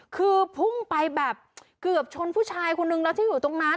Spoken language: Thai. คือพุ่งไปแบบเกือบชนผู้ชายคนนึงแล้วที่อยู่ตรงนั้น